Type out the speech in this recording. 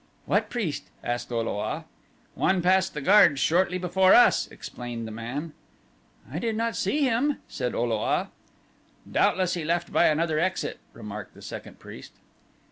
"What priest?" asked O lo a. "One passed the guards shortly before us," explained the man. "I did not see him," said O lo a. "Doubtless he left by another exit," remarked the second priest.